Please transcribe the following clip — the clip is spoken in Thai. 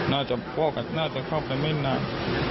พ่อน่าจะเข้าไปไม่นาน